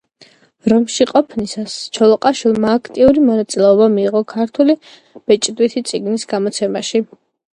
რომში ყოფნისას ჩოლოყაშვილმა აქტიური მონაწილეობა მიიღო ქართული ბეჭდვითი წიგნის გამოცემაში.